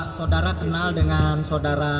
saudara kenal dengan saudara